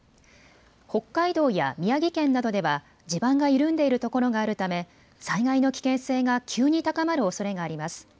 北海道や宮城県などでは地盤が緩んでいるところがあるため災害の危険性が急に高まるおそれがあります。